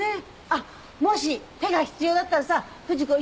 あっもし手が必要だったらさ不二子